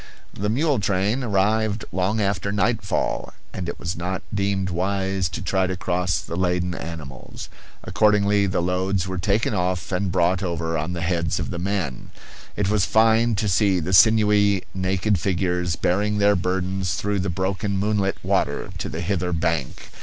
The mule train arrived long after night fall, and it was not deemed wise to try to cross the laden animals. Accordingly the loads were taken off and brought over on the heads of the men; it was fine to see the sinewy, naked figures bearing their burdens through the broken moonlit water to the hither bank.